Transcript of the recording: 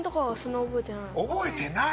覚えてない？